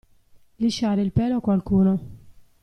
Lisciare il pelo a qualcuno.